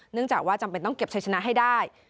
จากว่าจำเป็นต้องเก็บใช้ชนะให้ได้